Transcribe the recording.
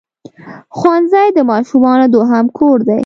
ښوونځی د ماشومانو دوهم کور دی.